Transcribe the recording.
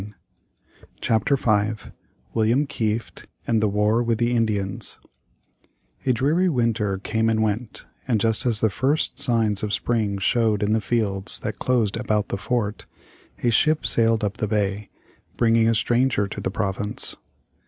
] CHAPTER V WILLIAM KIEFT and the WAR with the INDIANS A dreary winter came and went, and just as the first signs of spring showed in the fields that closed about the fort, a ship sailed up the bay, bringing a stranger to the province.